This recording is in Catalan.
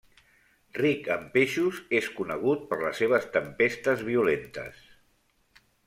Ric en peixos, és conegut per les seves tempestes violentes.